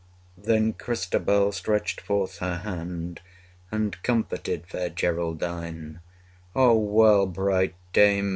Then Christabel stretched forth her hand, And comforted fair Geraldine: 105 O well, bright dame!